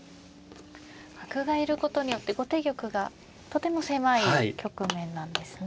角がいることによって後手玉がとても狭い局面なんですね。